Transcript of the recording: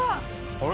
あれ？